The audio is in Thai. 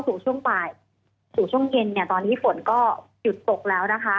สู่ช่วงเย็นตอนนี้ฝนก็หยุดตกแล้วนะคะ